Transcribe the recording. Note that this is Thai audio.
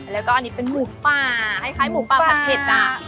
แล้วก็อันนี้เป็นหมูป่าคล้ายหมูป่าผัดเผ็ดอ่ะ